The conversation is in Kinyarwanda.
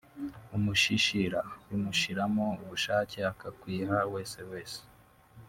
umushishira bimushyiramo ubushake akakwiha wese wese